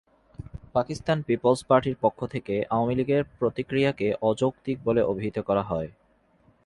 Pakistan People's পার্টির পক্ষ থেকে আওয়ামী লীগের প্রতিক্রিয়াকে অযৌক্তিক বলে অভিহিত করা হয়।